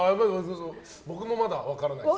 僕もまだ分からないです。